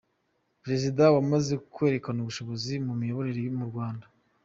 Perezida wamaze kwerekana ubushobozi mu miyoborere mu Rwanda.